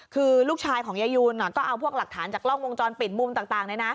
คือลูกชายของยายูนก็เอาพวกหลักฐานจากกล้องวงจรปิดมุมต่าง